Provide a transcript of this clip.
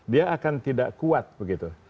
dia akan tidak kuat begitu